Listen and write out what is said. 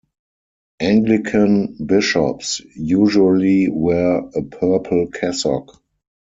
Anglican bishops usually wear a purple cassock.